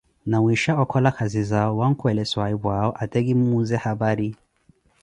nawisha okhola khazizao wankhuwele swaahipu awo ate kimuuze hapari.